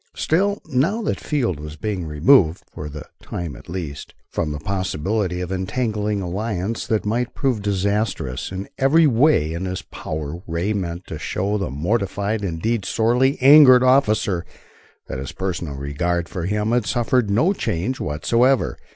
Still, now that Field was being removed, for the time at least, from the possibility of an entangling alliance that might prove disastrous, in every way in his power Ray meant to show the mortified, indeed sorely angered, officer that his personal regard for him had suffered no change whatever.